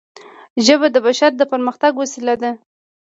ژبه د بشر د پرمختګ وسیله ده